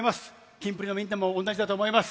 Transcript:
キンプリのみんなも同じだと思います。